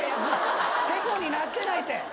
てこになってないって。